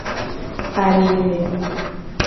Alime.